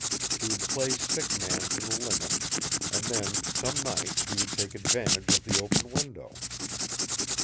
He would play sick man to the limit, and then some night he would take advantage of the open window!